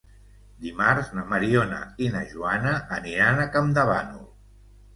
Dimarts na Mariona i na Joana aniran a Campdevànol.